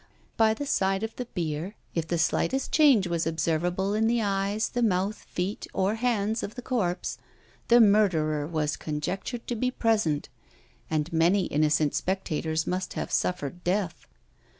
By the side of the bier, if the slightest change was observable in the eyes, the mouth, feet, or hands of the corpse, the murderer was conjectured to be present, and many innocent spectators must have suffered death.